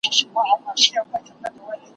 نه خبر په پاچهي نه په تدبير وو